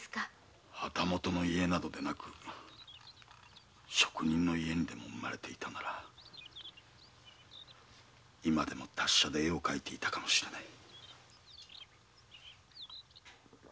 旗本の家などでなく職人の家に生まれていたなら今でも達者で絵を描いていたかもしれない。